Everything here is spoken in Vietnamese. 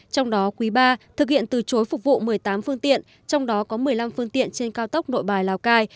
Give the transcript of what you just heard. trong đó quý ba thực hiện từ chối phục vụ một mươi tám phương tiện trong đó có một mươi năm phương tiện trên cao tốc nội bài lào cai